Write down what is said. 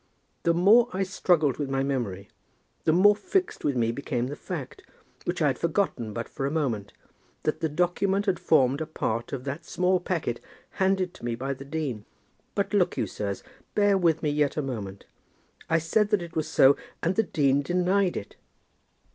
The more I struggled with my memory, the more fixed with me became the fact, which I had forgotten but for a moment, that the document had formed a part of that small packet handed to me by the dean. But look you, sirs, bear with me yet for a moment. I said that it was so, and the dean denied it."